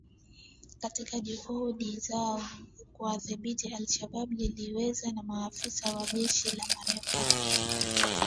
katika juhudi zao za kuwadhibiti al-Shabaab ilielezewa na maafisa wa jeshi la Marekani